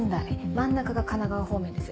真ん中が神奈川方面です。